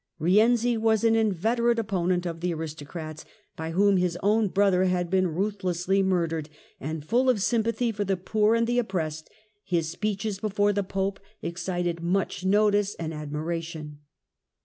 Eienzi was an inveterate opponent of the aristocrats, by whom his own brother had been ruthlessly murdered, and full of sympathy for the poor and the oppressed. His speeches before the Pope excited much notice and ad miration.